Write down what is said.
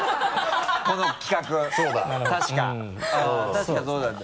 確かそうだった。